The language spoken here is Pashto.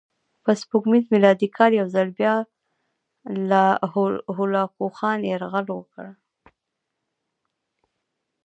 په سپوږمیز میلادي کال یو ځل بیا هولاکوخان یرغل وکړ.